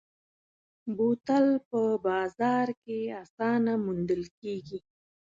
بوتل په بازار کې اسانه موندل کېږي.